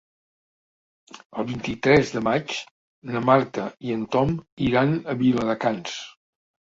El vint-i-tres de maig na Marta i en Tom iran a Viladecans.